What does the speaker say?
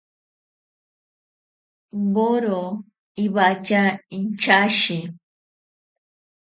Woro iwatya inchashi.